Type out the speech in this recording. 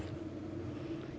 chúng tôi cân cấp